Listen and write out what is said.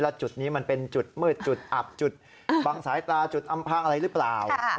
จุดนี้มันเป็นจุดมืดจุดอับจุดบางสายตาจุดอำพางอะไรหรือเปล่า